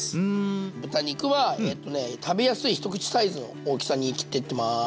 豚肉は食べやすい一口サイズの大きさに切っていってます。